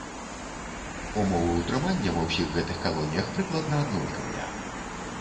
Умовы ўтрымання ва ўсіх гэтых калоніях прыкладна аднолькавыя.